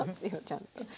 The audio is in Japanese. ちゃんと。